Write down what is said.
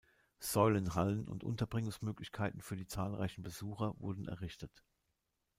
Säulenhallen und Unterbringungsmöglichkeiten für die zahlreichen Besucher wurden errichtet.